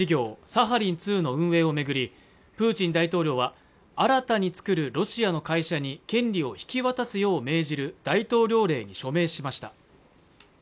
サハリン２の運営をめぐりプーチン大統領は新たに作るロシアの会社に権利を引き渡すよう命じる大統領令に署名しました